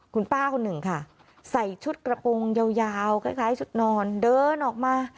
คุณป้าคนหนึ่งค่ะใส่ชุดกระโปรงยาวคล้ายชุดนอนเดินออกมา